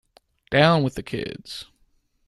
Down with the kids